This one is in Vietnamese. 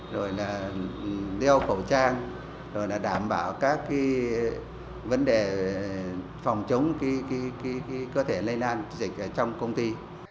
rồi là đeo khẩu trang rồi là đảm bảo các vấn đề phòng chống cơ thể lây lan dịch ở trong công ty